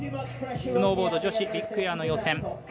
スノーボード女子ビッグエアの予選